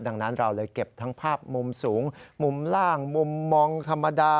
ดังนั้นเราเลยเก็บทั้งภาพมุมสูงมุมล่างมุมมองธรรมดา